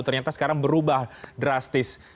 ternyata sekarang berubah drastis